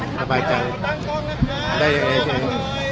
ต้องนอนเดี๋ยวเนี้ยวิทย์เรียนการบันรถดีแบบใช่ไหม